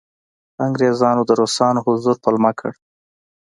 انګریزانو د روسانو حضور پلمه کړ.